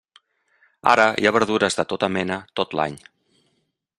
Ara hi ha verdures de tota mena tot l'any.